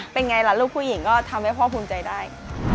เป็นไงล่ะลูกผู้หญิงก็ทำให้พ่อภูมิใจได้